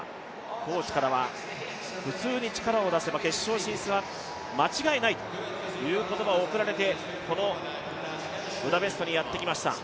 コーチからは普通に力を出せば決勝は間違いないという言葉を送られてこのブダペストにやってきました。